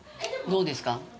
どうですか？